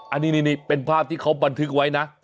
อันนี้เป็นภาพที่เขาบันทึกไว้นะ